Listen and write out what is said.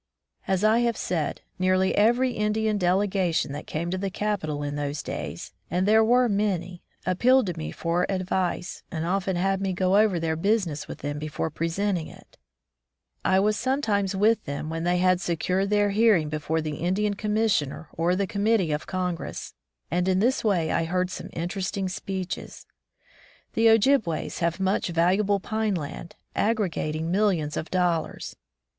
As I have said, nearly every Indian delega tion that came to the capital in those days — and they were many — appealed to me for advice, and often had me go over their business with them before presenting it. 159 From the Deep Woods to Civilization I was sometimes with them when they had secured their hearing before the Indian Commissioner or the committees of Congress, and in this way I heard some interesting speeches. The Ojibways have much valu able pine land, aggr^ating millions of dollars.